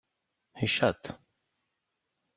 Icaṭ!